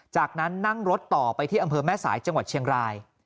จากนั้นนั่งรถต่อไปที่อำเภอแม่สายจังหวัดเชียงราย